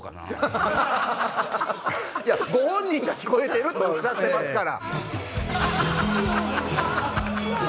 ご本人が聞こえてるっておっしゃってますから。